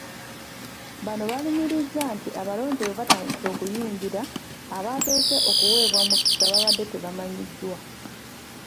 Bano balumiriza nti abalonzi bwe batandise okuyingira abasoose okuweebwa omukisa babadde tebamanyiddwa.